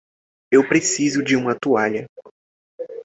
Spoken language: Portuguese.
Eu preciso de uma toalha.